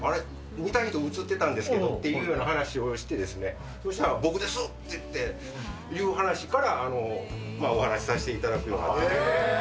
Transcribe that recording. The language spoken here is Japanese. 見た人映ってたんですけどって話をしてですね、そしたら、僕ですっていって、いう話から、お話させていただくように。